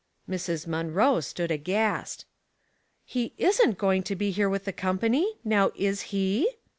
Mrs. Munroe stood aghast. " He is7it going to be here with the company? Now, is he?''